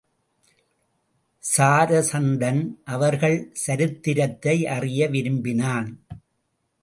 சரா சந்தன் அவர்கள் சரித்திரத்தை அறிய விரும்பினான்.